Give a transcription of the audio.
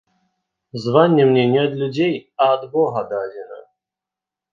Званне мне не ад людзей, а ад бога дадзена.